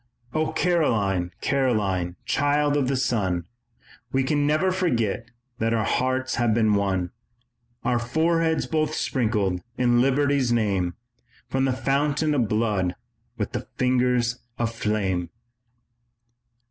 "O Caroline, Caroline, child of the sun, We can never forget that our hearts have been one, Our foreheads both sprinkled in Liberty's name From the fountain of blood with the fingers of flame."